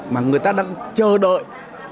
mà người ta đang chờ đợi